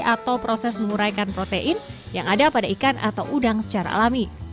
atau proses menguraikan protein yang ada pada ikan atau udang secara alami